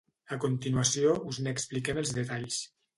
A continuació, us n'expliquem els detalls.